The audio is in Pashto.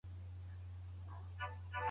د عرفات شوق زړونه لړزوي.